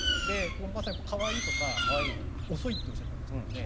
まさにかわいいとか遅いっておっしゃってましたよね。